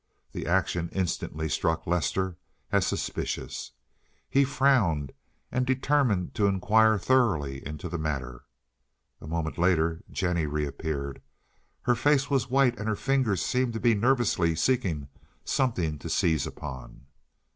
The action instantly struck Lester as suspicious. He frowned and determined to inquire thoroughly into the matter. A moment later Jennie reappeared. Her face was white and her fingers seemed to be nervously seeking something to seize upon.